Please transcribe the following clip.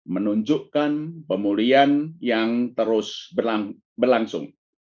menunjukkan pemulihan yang terus berlangsung